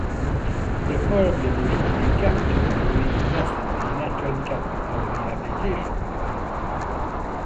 Preferably they should be captured for reinvestment in natural capital rehabilitation.